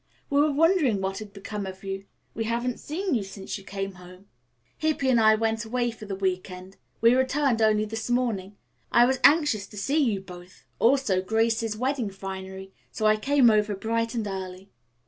"We were wondering what had become of you. We haven't seen you since we came home." "Hippy and I went away for the week end. We returned only this morning. I was anxious to see you both, also Grace's wedding finery, so I came over bright and early."